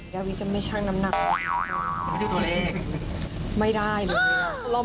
ยาวิพี่จะไม่ชั่งน้ำหนัง